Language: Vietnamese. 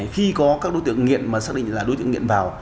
khi có các đối tượng nghiện mà xác định là đối tượng nghiện vào